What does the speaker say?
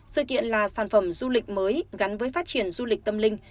sự kiện là sản phẩm du lịch mới gắn với phát triển du lịch tâm linh